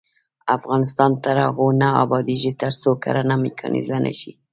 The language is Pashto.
افغانستان تر هغو نه ابادیږي، ترڅو کرنه میکانیزه نشي.